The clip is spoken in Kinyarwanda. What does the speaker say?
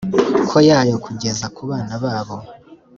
ko yayo kugeza ku bana babo